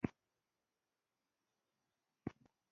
مصري واکمنان د هېواد د شتمن کولو لپاره په کار نه پوهېږي.